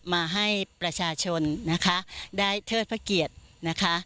มาให้ประชาชนนะคะได้เทิดพระเกียรตินะคะ